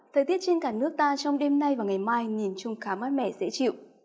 thời tiết trên cả nước ta trong đêm nay và ngày mai nhìn chung khá mát mẻ dễ chịu